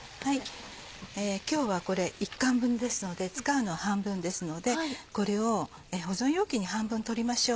今日はこれ１缶分ですので使うのは半分ですのでこれを保存容器に半分取りましょう。